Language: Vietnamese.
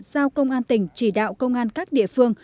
giao công an tỉnh chỉ đạo công an các địa phương